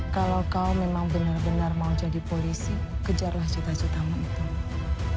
kalau kau memang benar benar mau jadi polisi kejarlah cita citamu itu